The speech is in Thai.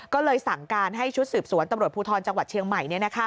ก็เลยสั่งการให้ชุดสืบสวนตำรวจภูทรจังหวัดเชียงใหม่